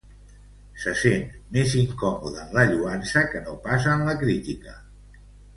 Se sent més incòmode en la lloança que no pas en la crítica.